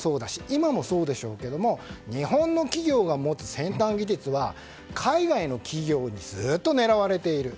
今もそうでしょうけども日本の企業が持つ先端技術は海外の企業にずっと狙われている。